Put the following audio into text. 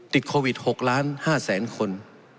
ติดโควิด๖๕๐๐๐๐๐คน